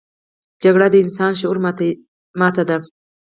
جګړه د انساني شعور ماتې ده